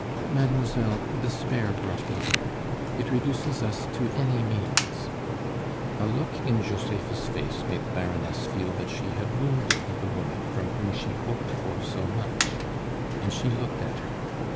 "Mademoiselle, despair brought me here. It reduces us to any means " A look in Josepha's face made the Baroness feel that she had wounded the woman from whom she hoped for so much, and she looked at her.